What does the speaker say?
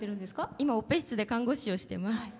今、オペ室で看護師をしてます。